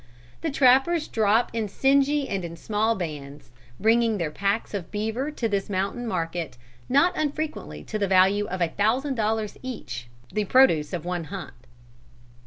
The trappers drop in singly and in small bands, bringing their packs of beaver to this mountain market, not unfrequently to the value of a thousand dollars each, the produce of one hunt.